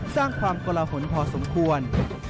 สร้างความกลหนพอสมควร